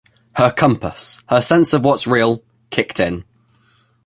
Her compass, her sense of what's real, kicked in.